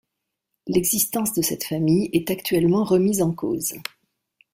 L'existence de cette famille est actuellement remise en cause.